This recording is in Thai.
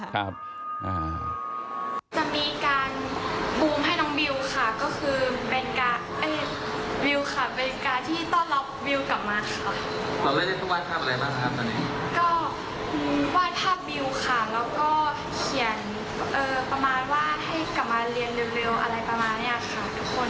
จะพาไปกินหมูกระทะค่ะ